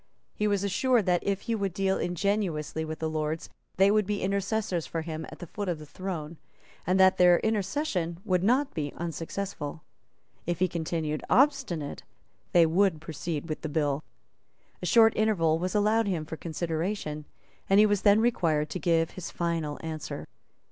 He was assured that, if he would deal ingenuously with the Lords, they would be intercessors for him at the foot of the throne, and that their intercession would not be unsuccessful. If he continued obstinate, they would proceed with the bill. A short interval was allowed him for consideration; and he was then required to give his final answer.